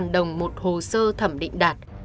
bốn trăm linh đồng một hồ sơ thẩm định đạt